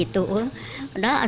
itu tidak ada apa apa